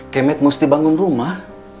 kemet mesti bangun rumah